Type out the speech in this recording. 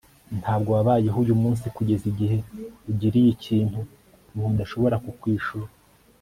ntabwo wabayeho uyu munsi kugeza igihe ugiriye ikintu umuntu udashobora kukwishura